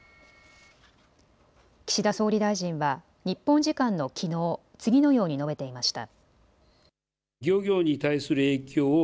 岸田総理大臣は日本時間のきのう次のように述べていました。